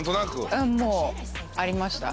もうありました。